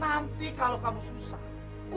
nanti kalau kamu susah